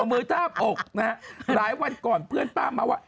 เอามือทาบอกร้ายวันก่อนเพื่อนป้าเมาส์ว่า